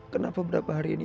kenapa beberapa hari ini